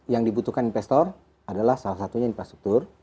yang dibutuhkan investor adalah salah satunya infrastruktur